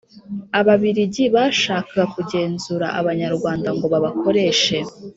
Ababiligi bashakaga kugenzura abanyarwanda ngo babakoreshe